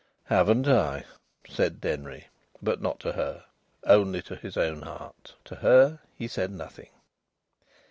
"Haven't I?" said Denry. But not to her only to his own heart. To her he said nothing.